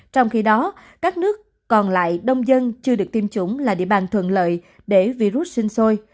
trong khi đó các nước còn lại đông dân chưa được tiêm chủng là địa bàn thuận lợi để virus sinh sôi